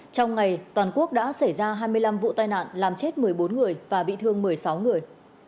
trong ngày toàn quốc đã xảy ra hai mươi năm vụ tai nạn làm chết một mươi bốn người và bị thương một mươi sáu người